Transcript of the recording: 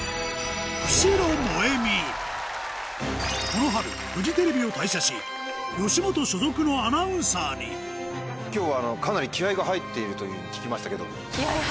この春フジテレビを退社し吉本所属のアナウンサーに今日は。というふうに聞きましたけども。